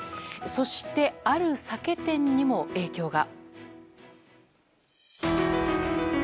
そして、ある酒店にも影響が。